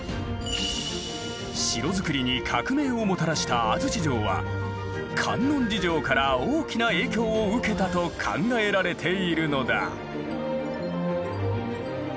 城造りに革命をもたらした安土城は観音寺城から大きな影響を受けたと考えられているのだ。